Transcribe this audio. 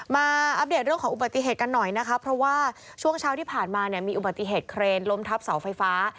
อัปเดตเรื่องของอุบัติเหตุกันหน่อยนะคะเพราะว่าช่วงเช้าที่ผ่านมาเนี่ยมีอุบัติเหตุเครนล้มทับเสาไฟฟ้า